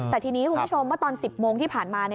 แต่ทีนี้คุณผู้ชมเมื่อตอน๑๐โมงที่ผ่านมา